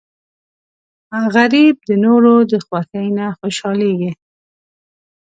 غریب د نورو د خوښۍ نه خوشحالېږي